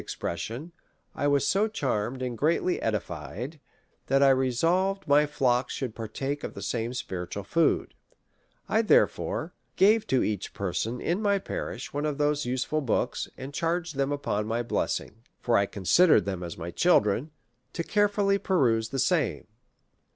XIX pression) I was so charmed and greatly edified, that I resolved my flock should partake of the same spiritual food : 1, therefore, gave to each person in my parish one of those useful books, and charged them upon my blessing (for 1 consider them as my children) to care fully peruse the same.